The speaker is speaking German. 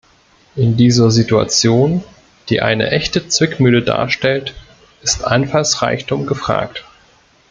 In dieser Situation, die eine echte Zwickmühle darstellt, ist Einfallsreichtum gefragt.